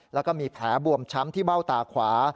แล้วก็มีแผลบวมช้ำที่เบ้าตาขวา